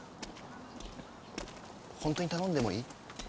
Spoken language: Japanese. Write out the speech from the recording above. ホントに頼んでもいい？